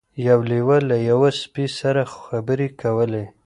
یو لیوه له یوه سپي سره خبرې کولې.